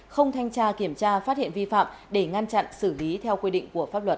không thanh tra kiểm tra phát hiện vi phạm để ngăn chặn xử lý theo quy định của pháp luật